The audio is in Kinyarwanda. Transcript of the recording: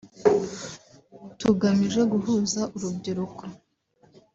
tugamije guhuza urubyiruko